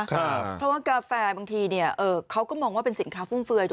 เพราะว่ากาแฟบางทีเขาก็มองว่าเป็นสินค้าฟุ่มเฟือย